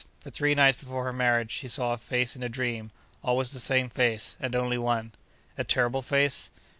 For three nights before her marriage, she saw a face in a dream—always the same face, and only One.' 'A terrible face?